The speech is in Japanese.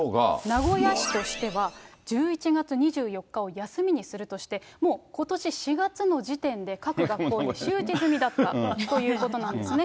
名古屋市としては、１１月２４日を休みにするとして、もうことし４月の時点で、各学校に周知済みだったということなんですね。